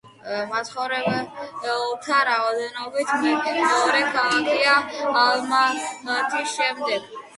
მაცხოვრებელთა რაოდენობით მეორე ქალაქია ალმათის შემდეგ.